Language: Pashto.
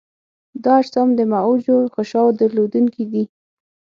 دا اجسام د معوجو غشاوو درلودونکي دي.